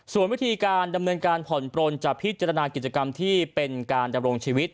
ส่วนวิธีการดำเนินการผ่อนปลนจะพิจารณากิจกรรมที่เป็นการดำรงชีวิต